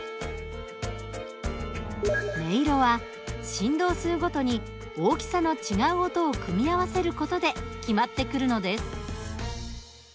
音色は振動数ごとに大きさの違う音を組み合わせる事で決まってくるのです。